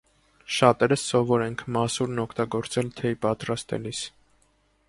Շատերս սովոր ենք մասուրն օգտագործել թեյ պատրաստելիս